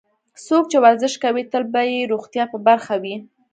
څوک چې ورزش کوي، تل به یې روغتیا په برخه وي.